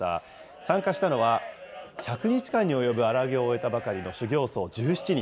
参加したのは１００日間に及ぶ荒行を終えたばかりの修行僧１７人。